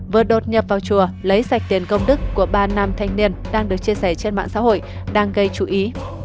vừa đột nhập vào chùa lấy sạch tiền công đức của ba nam thanh niên đang được chia sẻ trên mạng xã hội đang gây chú ý